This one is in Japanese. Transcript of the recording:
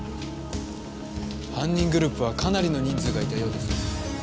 犯人グループはかなりの人数がいたようですね。